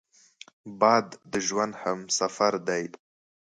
باد د ژوند همسفر دی